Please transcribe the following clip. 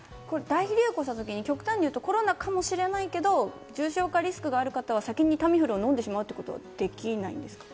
大流行した時、極端に言うと、コロナかもしれないけど重症化リスクがある方は先にタミフルをのんでしまうということはできないんですか？